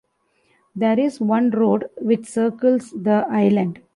There is one road which circles the island.